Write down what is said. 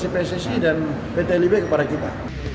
pssi dan pt lib kepada kita